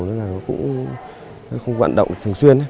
nó cũng không vận động thường xuyên